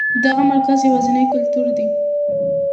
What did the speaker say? دغه مرکز یوازېنی کلتوري مرکز و.